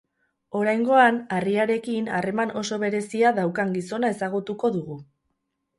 Oraingoan, harriarekin harreman oso berezia daukan gizona ezagutuko dugu.